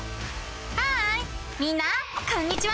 ハーイみんなこんにちは！